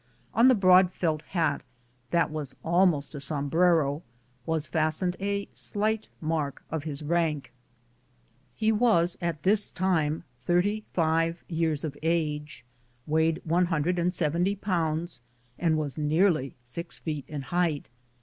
On the broad felt hat, that was almost a sombrero, was fastened a slight mark of his rank. He was at this time thirty five years of age, weighed one hundred and seventy pounds, and was nearly six feet in height.